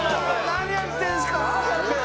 何やってんすか。